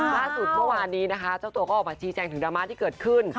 ล่าสุดเมื่อวานนี้นะคะเจ้าตัวก็ออกมาชี้แจงถึงดราม่าที่เกิดขึ้น